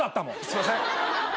すいません。